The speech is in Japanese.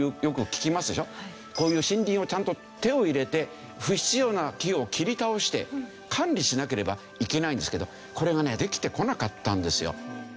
こういう森林をちゃんと手を入れて不必要な木を切り倒して管理しなければいけないんですけどこれがねできてこなかったんですよ。